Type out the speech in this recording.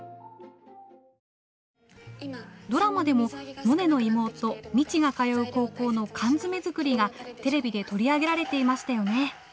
ドラマでもモネの妹未知が通う高校の缶詰作りがテレビで取り上げられていましたよね。